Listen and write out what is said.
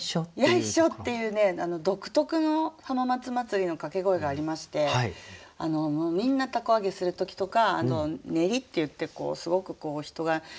「ヤイショ」っていうね独特の浜松まつりのかけ声がありましてみんな凧揚げする時とかあと練りっていってすごくこう人が何かね